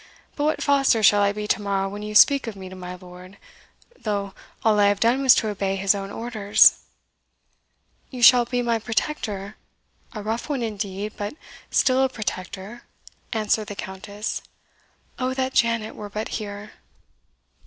"But what Foster shall I be to morrow when you speak of me to my lord though all I have done was to obey his own orders?" "You shall be my protector a rough one indeed but still a protector," answered the Countess. "Oh that Janet were but here!"